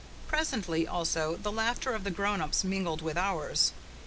Presently, also, the laughter of the grown ups mingled with ours.